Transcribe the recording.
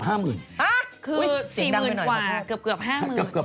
ห๊ะคือ๔๐๐๐๐กว่าเกือบ๕๐๐๐๐